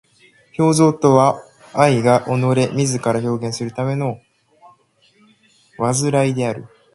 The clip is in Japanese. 表象とは愛が己れ自ら表現するための煩悶である。